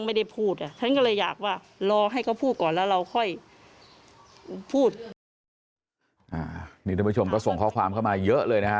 มีท่านประชมก็ส่งค้อความเข้ามาเยอะเลยนะ